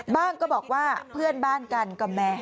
ก็บอกว่าเพื่อนบ้านกันก็แม่